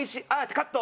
「カット！